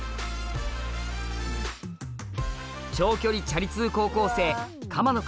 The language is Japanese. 長距離チャリ通高校生鎌野君